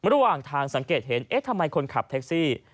ระหว่างทางสังเกตเห็นเอ๊ะทำไมคนขับแท็กซี่